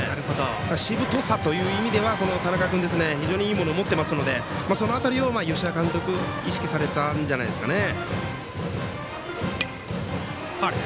しぶとさという意味では田中君、非常にいい意味を持ってますのでその辺りを吉田監督意識されたんじゃないですかね。